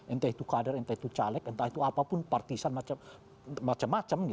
entah itu kader entah itu caleg entah itu apapun partisan macam macam